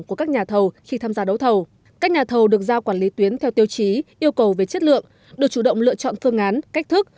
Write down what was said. các nhà thầu được giao quản lý tuyến theo tiêu chí yêu cầu về chất lượng được chủ động lựa chọn phương án cách thức